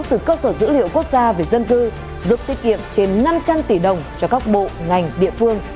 từ cơ sở dữ liệu quốc gia về dân cư giúp tiết kiệm trên năm trăm linh tỷ đồng cho các bộ ngành địa phương